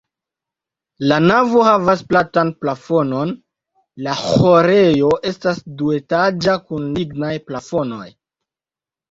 La navo havas platan plafonon, la ĥorejo estas duetaĝa kun lignaj plafonoj.